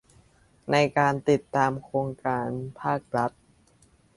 ในการติดตามโครงการภาครัฐ